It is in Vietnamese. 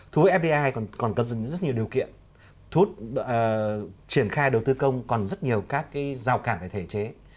thu với fdi còn cần dùng rất nhiều điều kiện triển khai đầu tư công còn rất nhiều các cái rào cản về thể chế